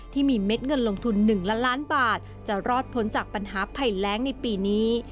เม็ดเงินลงทุน๑ล้านล้านบาทจะรอดพ้นจากปัญหาภัยแรงในปีนี้